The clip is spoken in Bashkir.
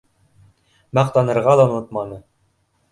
— Маҡтанырға ла онотманы